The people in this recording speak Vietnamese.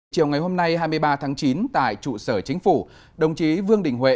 chiều ngày hôm nay hai mươi ba tháng chín tại trụ sở chính phủ đồng chí vương đình huệ